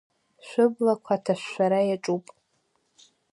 Шәыблақәа аҭашәашәара иаҿуп.